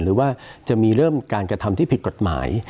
หรือว่าจะมีเริ่มการกระทำที่ผิดกฎหมาย